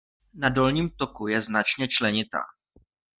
Na dolním toku je značně členitá.